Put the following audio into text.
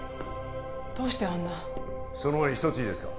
どうしてあんなその前に一ついいですか？